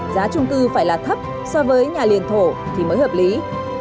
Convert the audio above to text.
giá trung cư phải là thấp so với nhà liền thổ thì mới hợp lý